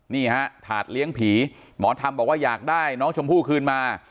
นี่ฮะถาดเลี้ยงผีหมอธรรมบอกว่าอยากได้น้องชมพู่คืนมา